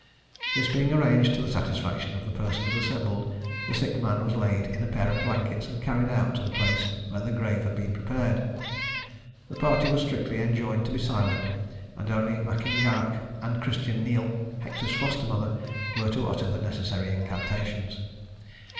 This being arranged to the satisfaction of the persons assembled, the sick man was laid in a pair of blankets, and carried out to the place where the grave had been prepared. The party were strictly enjoined to be silent, and only M'Ingarrach, and Christian Neill, Hector's foster mother, were to utter the necessary incantations.